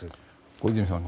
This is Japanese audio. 小泉さん。